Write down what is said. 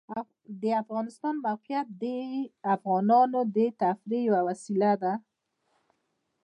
د افغانستان د موقعیت د افغانانو د تفریح یوه وسیله ده.